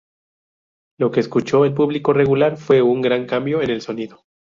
Lo que escuchó el público regular fue un gran cambio en el sonido.